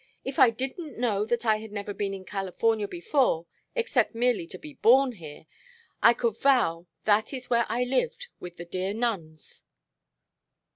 If I didn't know that I had never been in California before except merely to be born here I could vow that is where I lived with the dear nuns."